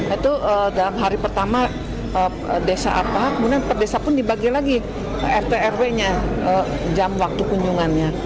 itu dalam hari pertama desa apa kemudian per desa pun dibagi lagi rt rw nya jam waktu kunjungannya